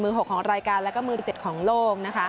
มือ๖ของรายการและก็มือ๗ของโลก